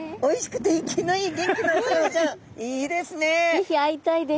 是非会いたいです！